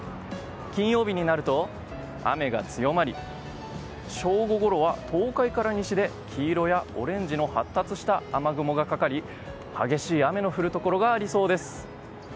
金曜日になると雨が強まり正午ごろは東海から西で黄色やオレンジの発達した雨雲がかかり激しい雨の降るところがありそうです。